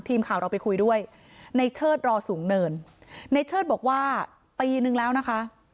ทีมข่าวเราไปคุยด้วยในเชิดรอสูงเนินในเชิดบอกว่าปีนึงแล้วนะคะ